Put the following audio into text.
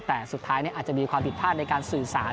แต่สุดท้ายอาจจะมีความผิดพลาดในการสื่อสาร